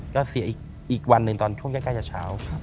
ก็เสียอีกวันหนึ่งตอนช่วงใกล้จะเช้า